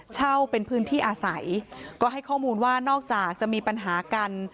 เช่าเป็นพื้นที่อาศัยก็ให้ข้อมูลว่านอกจากจะมีปัญหากัน